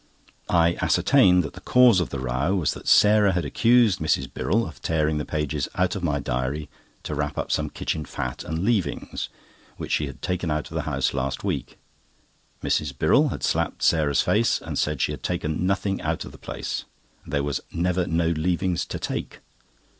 I ascertained that the cause of the row was, that Sarah had accused Mrs. Birrell of tearing the pages out of my diary to wrap up some kitchen fat and leavings which she had taken out of the house last week. Mrs. Birrell had slapped Sarah's face, and said she had taken nothing out of the place, as there was "never no leavings to take."